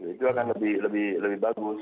itu akan lebih bagus